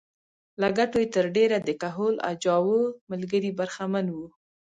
له ګټو یې تر ډېره د کهول اجاو ملګري برخمن وو.